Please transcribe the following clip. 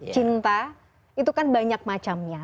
cinta itu kan banyak macamnya